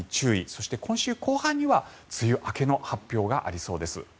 そして、今週後半には梅雨明けの発表がありそうです。